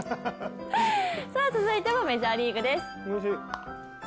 続いてもメジャーリーグです。